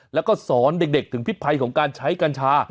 แล้วก็สอนเด็กถึงพิษภัยของการใช้กัญชา